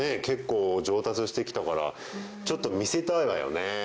結構上達してきたからちょっと見せたいわよね。